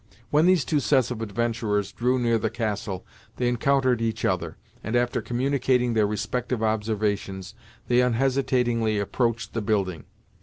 When these two sets of adventurers drew near the castle they encountered each other, and after communicating their respective observations, they unhesitatingly approached the building.